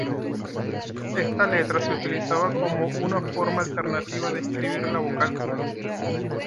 Esta letra se utilizaba como una forma alternativa de escribir la vocal u.